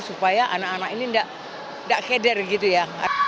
supaya anak anak ini tidak keder gitu ya